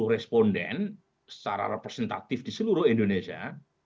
empat ribu empat puluh responden secara representatif di seluruh indonesia